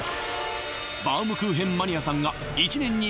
バウムクーヘンマニアさんがさらに